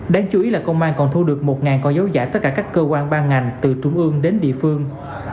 đáng chú ý là công an còn thu được một con dấu giả tất cả các cơ quan ban ngành từ trung ương đến địa phương